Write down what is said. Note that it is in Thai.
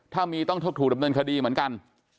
ถ้ามีต้องถูกดำเนินคดีเหมือนกัน